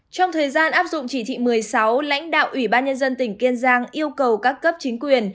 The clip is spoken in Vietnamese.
trong thời gian áp dụng chỉ thị một mươi sáu lãnh đạo ủy ban nhân dân tỉnh kiên giang yêu cầu các cấp chính quyền